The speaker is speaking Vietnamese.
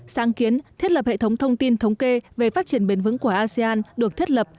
sáng kiến thiết lập hệ thống thông tin thống kê về phát triển bền vững của asean được thiết lập